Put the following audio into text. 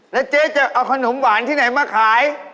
แล้วเจ๊จะเอาขนมหวานที่ไหนมาขาย